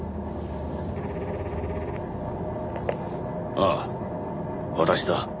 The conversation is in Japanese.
ああ私だ。